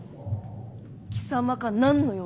貴様か何の用だ？